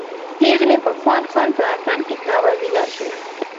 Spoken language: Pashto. پیغلې په خوند خوند په اتڼ کې تاووي لاسونه